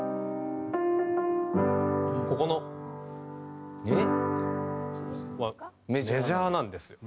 ここの。はメジャーなんですよ。